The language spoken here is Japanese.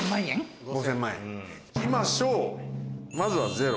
行きましょうまずはゼロ。